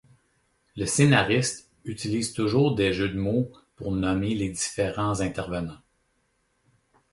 Le scénariste utilise toujours des jeux de mots pour nommer les différents intervenants.